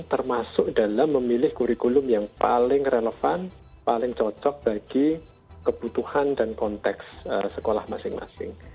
termasuk dalam memilih kurikulum yang paling relevan paling cocok bagi kebutuhan dan konteks sekolah masing masing